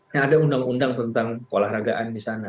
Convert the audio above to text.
nah ada undang undang tentang keolahragaan di sana